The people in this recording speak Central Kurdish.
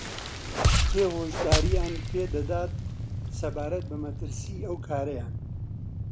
کێ هۆشدارییان پێدەدات سەبارەت بە مەترسیی ئەو کارەیان